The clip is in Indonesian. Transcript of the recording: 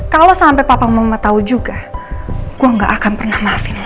kalau sampai papa mama tahu juga gue gak akan pernah maafin